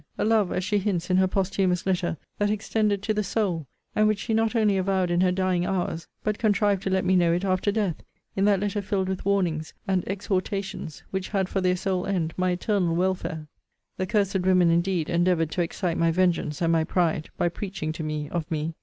A love, as she hints in her posthumous letter, that extended to the soul; and which she not only avowed in her dying hours, but contrived to let me know it after death, in that letter filled with warnings and exhortations, which had for their sole end my eternal welfare! * Ibid. Letter XXXVI. See Vol. VIII. Letter LXIV. See Letter XXXVI. of this volume. The cursed women, indeed, endeavoured to excite my vengeance, and my pride, by preaching to me of me.